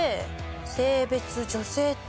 性別「女性」と。